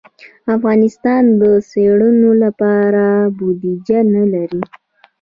افغانستان د څېړنو لپاره بودیجه نه لري.